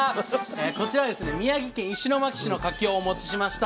こちらはですね宮城県石巻市のかきをお持ちしました。